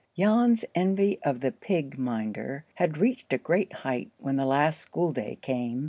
Jan's envy of the pig minder had reached a great height when the last school day came.